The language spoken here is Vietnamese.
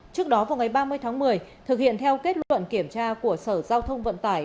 trước đó vào ngày ba mươi tháng một mươi thực hiện theo kết luận kiểm tra của sở giao thông vận tải